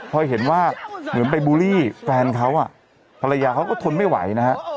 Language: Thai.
พอเห็นว่าเหมือนไปบูลลี่แฟนเขาอ่ะภรรยาเขาก็ทนไม่ไหวนะฮะ